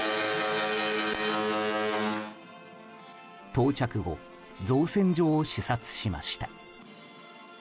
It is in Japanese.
到着後、造船所を視察しました。